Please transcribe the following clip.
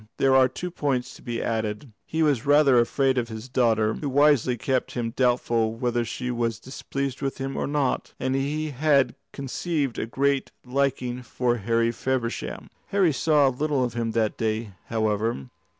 There are two points to be added. He was rather afraid of his daughter, who wisely kept him doubtful whether she was displeased with him or not, and he had conceived a great liking for Harry Feversham. Harry saw little of him that day, however.